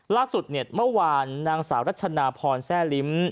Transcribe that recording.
ล่าสุดเนี่ยเมื่อวานนางสาวรัชนาพรแซ่ลิ้ม